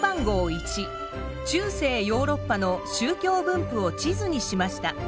１中世ヨーロッパの宗教分布を地図にしました。